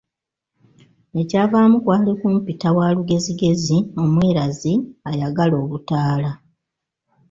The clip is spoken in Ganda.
Ekyavaamu kwali kumpita waalugezigezi, omwerazi, ayagala obutaala.